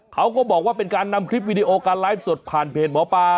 เขาก็บอกว่าเป็นการนำคลิปวิดีโอการไลฟ์สดผ่านเพจหมอปลา